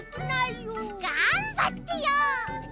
がんばってよ。